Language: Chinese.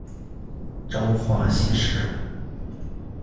朝花夕拾